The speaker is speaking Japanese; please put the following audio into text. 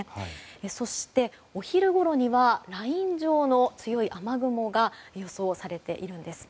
そして、お昼ごろにはライン状の強い雨雲が予想されているんです。